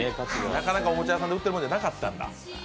なかなかおもちゃ屋さんで売ってるものじゃなかったんだ。